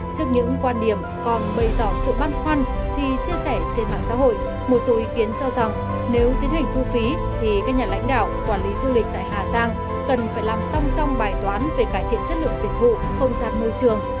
trước những quan điểm còn bày tỏ sự băn khoăn thì chia sẻ trên mạng xã hội một số ý kiến cho rằng nếu tiến hành thu phí thì các nhà lãnh đạo quản lý du lịch tại hà giang cần phải làm song song bài toán về cải thiện chất lượng dịch vụ không gian môi trường